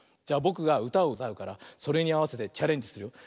じゃぼくがうたをうたうからそれにあわせてチャレンジする。